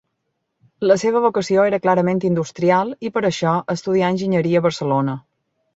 La seva vocació era clarament industrial, i per això, estudià enginyeria a Barcelona.